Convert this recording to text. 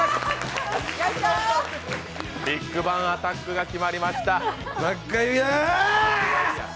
ビッグ・バン・アタックが決まりました！